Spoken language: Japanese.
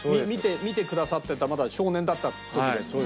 見てくださってたまだ少年だった時ですよね。